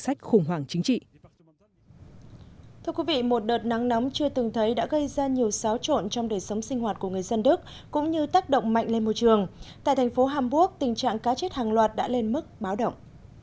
tại thành phố hàm quốc tình trạng cá chết hàng loạt đã lên mức báo động